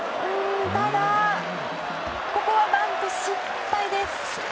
ただ、ここはバント失敗です。